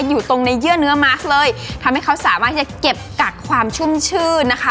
อยู่ตรงในเยื่อเนื้อมัสเลยทำให้เขาสามารถจะเก็บกักความชุ่มชื่นนะคะ